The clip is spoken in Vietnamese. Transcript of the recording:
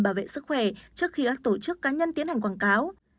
bảo vệ sức khỏe trước khi các tổ chức cá nhân tiến hành quảng cáo